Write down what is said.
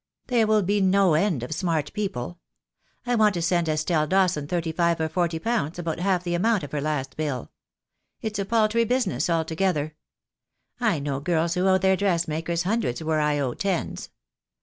There will be no end of smart people. I want to send Estelle Dawson thirty five or forty pounds, about half the amount of her last bill. It's a paltry business altogether. I know girls who owe their dressmakers hun dreds where I owe tens.